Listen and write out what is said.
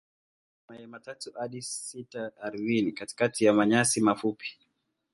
Hutaga mayai matatu hadi sita ardhini katikati ya manyasi mafupi.